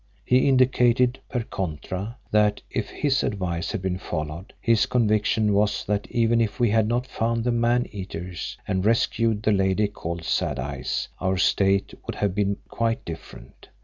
He indicated per contra, that if his advice had been followed, his conviction was that even if we had not found the man eaters and rescued the lady called Sad Eyes, our state would have been quite different.